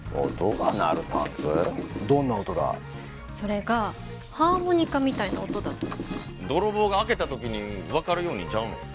どんな音だそれがハーモニカみたいな音だと泥棒が開けたときに分かるようにちゃうの？